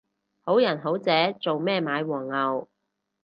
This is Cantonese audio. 好人好姐做咩買黃牛